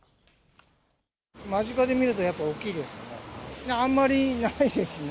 間近で見るとやっぱり大きいですよね。